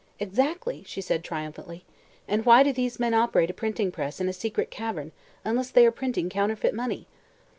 "Exactly!" she said triumphantly. "And why do these men operate a printing press in a secret cavern, unless they are printing counterfeit money?"